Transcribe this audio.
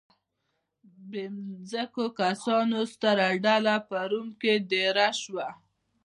بې ځمکو کسانو ستره ډله په روم کې دېره شوه